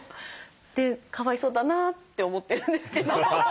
でかわいそうだなって思ってるんですけど。